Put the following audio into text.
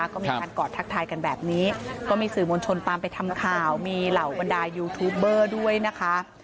ก็มีการกอดทักทายกันแบบนี้ก็มีสื่อมวลชนตามไปทำข่าวมีเหล่าบรรดายูทูปเบอร์ด้วยนะคะ